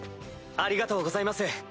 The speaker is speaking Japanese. ありがとうございます